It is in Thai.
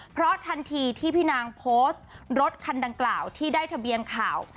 เพราะทันทีที่พี่นางโพสต์รถคันดังกล่าวที่ได้ทะเบียนข่าว